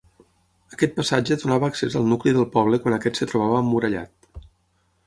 Aquest passatge donava accés al nucli del poble quan aquest es trobava emmurallat.